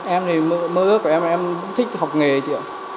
em mơ ước là em thích học nghề